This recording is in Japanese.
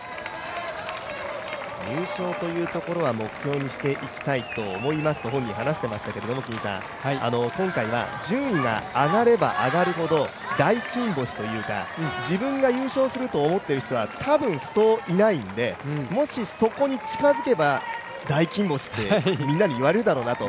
入賞というところを目標にしていきたいと思いますと本人話していましたけれども、今回は順位が上がれば上がるほど大金星というか、自分が優勝すると思っている人はたぶん、そういないのでもしそこに近づけば大金星ってみんなに言われるだろうなと。